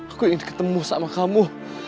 aku ingin ketemu sama kamu